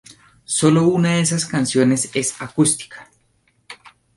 Solo una de esas canciones es acústica"".